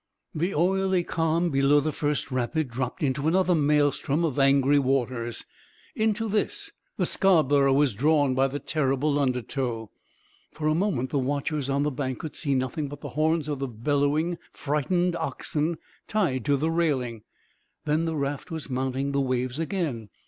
The oily calm below the first rapid dropped into another maelstrom of angry waters. Into this the Scarborough was drawn by the terrible undertow. For a moment the watchers on the bank could see nothing but the horns of the bellowing, frightened oxen tied to the railing. Then the raft was mounting the waves again.